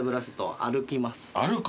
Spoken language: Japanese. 歩く？